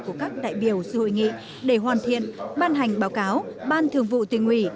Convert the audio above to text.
của các đại biểu dự hội nghị để hoàn thiện ban hành báo cáo ban thường vụ tỉnh nguyệt